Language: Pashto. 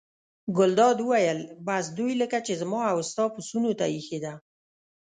ګلداد وویل: بس دوی لکه چې زما او ستا پسونو ته اېښې ده.